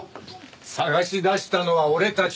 捜し出したのは俺たち！